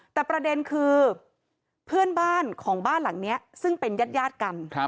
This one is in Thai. แต่ประเด็นคือเพื่อนบ้านของบ้านหลังนี้ซึ่งเป็นญาติกัน